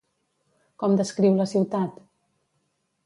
Com descriu la ciutat?